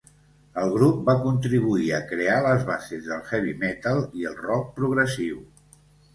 El grup va contribuir a crear les bases del heavy metal i el rock progressiu.